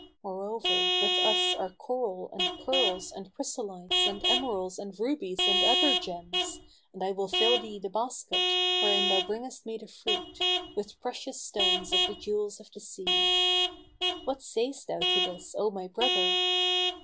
Moreover, with us are coral and pearls and chrysolites and emeralds and rubies and other gems, and I will fill thee the basket, wherein thou bringest me the fruit, with precious stones of the jewels of the sea.[FN#244] What sayst thou to this, O my brother?"